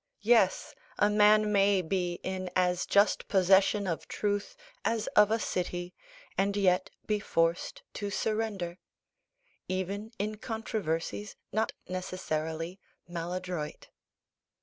Yes! "A man may be in as just possession of truth as of a city, and yet be forced to surrender," even in controversies not necessarily maladroit.